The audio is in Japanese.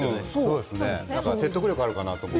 説得力あるかなと思って。